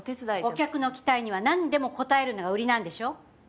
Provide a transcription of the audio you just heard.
お客の期待にはなんでも応えるのが売りなんでしょ？